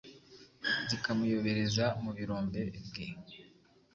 zikamuyobereza mu birombe bwe